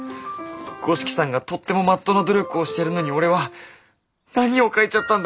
五色さんがとってもまっとうな努力をしているのに俺は何を描いちゃったんだ！